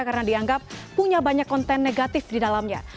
karena dianggap punya banyak konten negatif di dalamnya